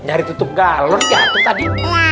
nyari tutup galur jatuh tadi